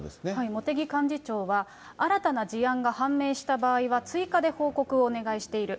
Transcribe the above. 茂木幹事長は、新たな事案が判明した場合は、追加で報告をお願いしている。